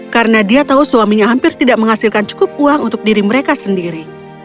karena dia tahu suaminya hampir tidak menghasilkan cukup uang untuk diri mereka sendiri